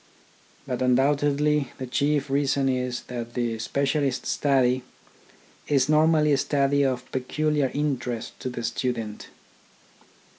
But undoubtedly the chief reason is that the specialist study is normally a study of peculiar interest to the student.